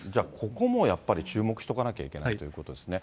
ここもやっぱり注目しとかなきゃいけないということですね。